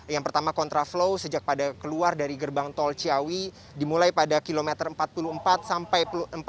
yang pertama kontraflow sejak pada keluar dari gerbang tol ciawi dimulai pada kilometer empat puluh empat sampai empat puluh